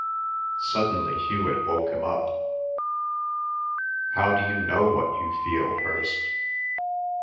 Suddenly Hewet woke him up. "How d'you know what you feel, Hirst?"